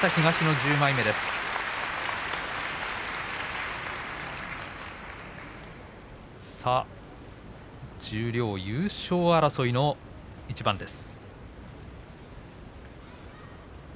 十両優勝争いの一番です。